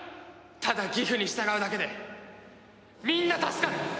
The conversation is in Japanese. ただギフに従うだけでみんな助かる！